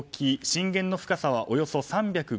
震源の深さはおよそ３５０ｋｍ。